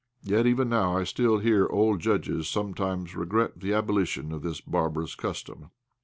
Yet even now I still hear old judges sometimes regret the abolition of this barbarous custom.